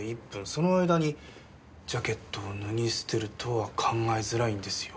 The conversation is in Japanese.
その間にジャケットを脱ぎ捨てるとは考えづらいんですよ。